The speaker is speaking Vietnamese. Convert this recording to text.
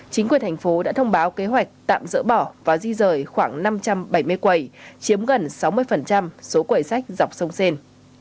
chính quyền thành phố đã thông báo kế hoạch tạm dỡ bỏ và di rời khoảng năm trăm bảy mươi quầy chiếm gần sáu mươi số quầy sách dọc sông sen